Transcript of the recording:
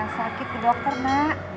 sakit ke dokter nak